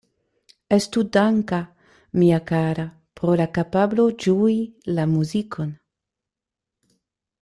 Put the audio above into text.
Estu danka, mia kara, pro la kapablo ĝui la muzikon.